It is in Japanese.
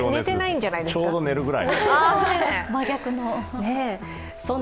ちょうど寝るぐらい。